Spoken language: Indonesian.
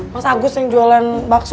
mas agus yang jualan bakso